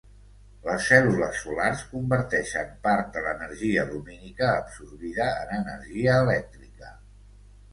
Les cèl·lules solars converteixen part de l'energia lumínica absorbida en energia elèctrica.